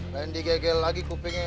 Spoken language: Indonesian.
lain digegel lagi kupingnya